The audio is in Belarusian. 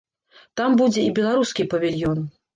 Там будзе і беларускі павільён.